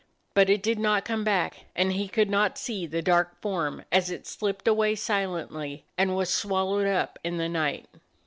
But it did not come back; and he could not see the dark form as it slipped away si lently, and was swallowed up in the night.